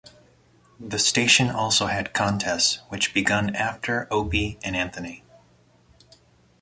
The station also had contests which begun after "Opie and Anthony".